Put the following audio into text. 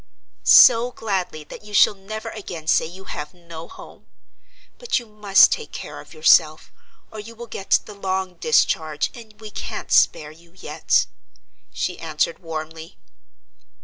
"So gladly that you shall never again say you have no home. But you must take care of yourself, or you will get the long discharge, and we can't spare you yet," she answered warmly.